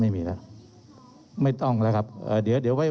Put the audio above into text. เรามีการปิดบันทึกจับกลุ่มเขาหรือหลังเกิดเหตุแล้วเนี่ย